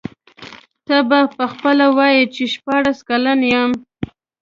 ته به خپله وایې چي شپاړس کلن یم.